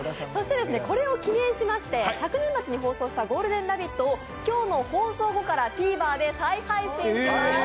これを記念しまして、昨年末に放送しました「ゴールデンラヴィット！」を今日の放送後からＴＶｅｒで再配信します。